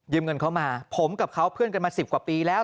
เงินเขามาผมกับเขาเพื่อนกันมา๑๐กว่าปีแล้ว